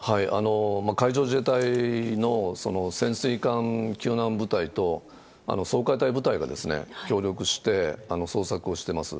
海上自衛隊の潜水艦救難部隊と、掃海隊部隊が協力して、捜索をしてます。